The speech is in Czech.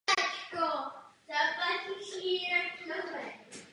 Obě dokončené bitevní lodě třídy "Jamato" byly potopeny za druhé světové války.